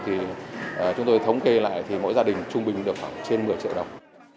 thì chúng tôi thống kê lại thì mỗi gia đình trung bình được khoảng trên một mươi triệu đồng